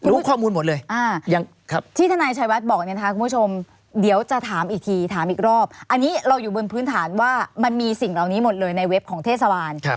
รู้ข้อมูลหมดเลยอย่างที่ทนายชายวัดบอกเนี่ยนะคะคุณผู้ชมเดี๋ยวจะถามอีกทีถามอีกรอบอันนี้เราอยู่บนพื้นฐานว่ามันมีสิ่งเหล่านี้หมดเลยในเว็บของเทศบาล